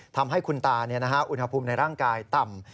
ทำให้คุณตาอุณหภูมิในร่างกายต่ำ